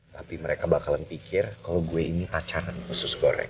tapi mereka bakalan pikir kalau gue ini pacaran khusus goreng